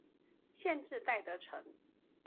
县治戴德城。